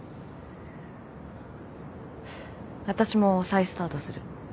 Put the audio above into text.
わたしも再スタートする。